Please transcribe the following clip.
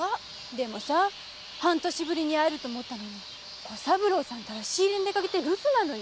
でもさ半年ぶりに会えると思ったのに小三郎さんたら仕入れに出かけて留守なのよ。